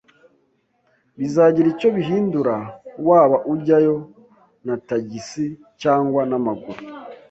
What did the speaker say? Bizagira icyo bihindura waba ujyayo na tagisi cyangwa n'amaguru.